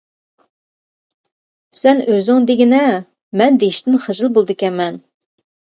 سەن ئۆزۈڭ دېگىنە، مەن دېيىشتىن خىجىل بولىدىكەنمەن.